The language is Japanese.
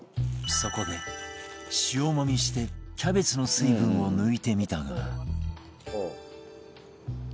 そこで塩もみしてキャベツの水分を抜いてみたが